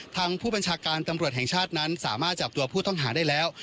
ทางผู้บัญชาการตำรวจแห่งชาตินั้นสามารถจับตัวผู้ต้องหาได้แล้ว